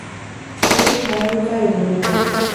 އެއީ ކަނަ ރުކާއި ރޮނޑު ރުއް